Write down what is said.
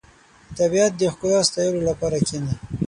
• د طبیعت د ښکلا ستایلو لپاره کښېنه.